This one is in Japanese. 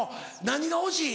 何が欲しい？